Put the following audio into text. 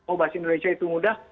oh bahasa indonesia itu mudah